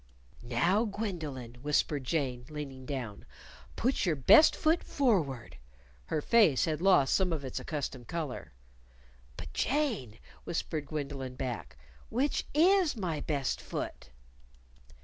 "Now, Gwendolyn" whispered Jane, leaning down, "put your best foot forward." Her face had lost some of its accustomed color. "But, Jane," whispered Gwendolyn back, "which is my best foot?"